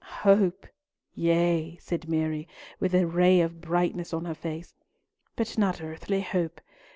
"Hope! yea," said Mary, with a ray of brightness on her face, "but not earthly hope.